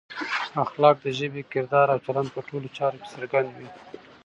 اخلاق د ژبې، کردار او چلند په ټولو چارو کې څرګندوي.